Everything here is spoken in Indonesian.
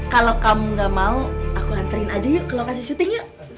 kalau kamu gak mau aku nganterin aja yuk ke lokasi syuting yuk